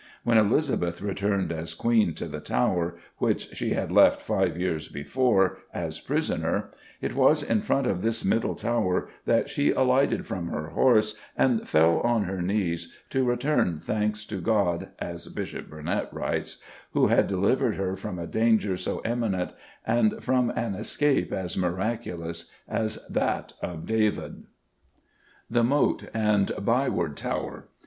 When Elizabeth returned as Queen to the Tower, which she had left, five years before, as prisoner, it was in front of this Middle Tower that she alighted from her horse and fell on her knees "to return thanks to God," as Bishop Burnet writes, "who had delivered her from a danger so imminent, and from an escape as miraculous as that of David." _The Moat and Byward Tower.